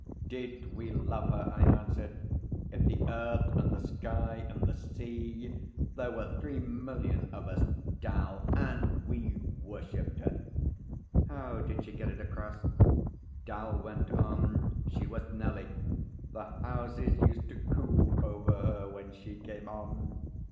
'Did we love her?' I answered. '"If the earth and the sky and the sea" There were three million of us, 'Dal, and we worshipped her.' 'How did she get it across?' Dal went on. 'She was Nellie. The houses used to coo over her when she came on.'